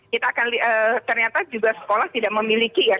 kita akan ternyata juga sekolah tidak memiliki ya